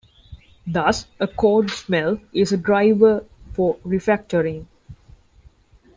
Thus, a code smell is a driver for refactoring.